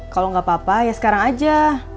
kalau nggak apa apa ya sekarang aja